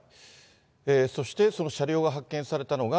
そして、その車両が発見されたのが。